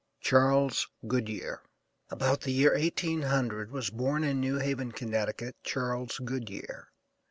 CHARLES GOODYEAR. About the year 1800 was born in New Haven, Connecticut, Charles Goodyear.